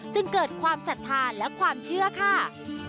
จึงเกิดความศรัทธาและความเชื่อค่ะ